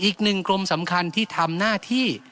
อีกหนึ่งกรมสำคัญที่ทำหน้าที่